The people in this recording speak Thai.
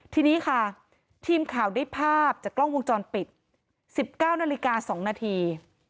ทีนี้ค่ะทีมข่าวได้ภาพจากกล้องวงจรปิด๑๙นาฬิกา๒นาที